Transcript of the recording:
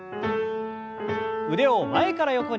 腕を前から横に。